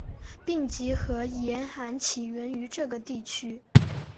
疾病和严寒起源于这个地区。